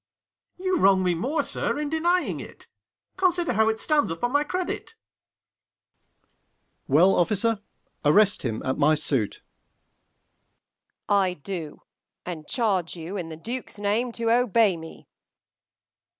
Ang. You wrong me more, sir, in denying it: Consider how it stands upon my credit. Sec. Mer. Well, officer, arrest him at my suit. Off. I do; and charge you in the duke's name to obey me.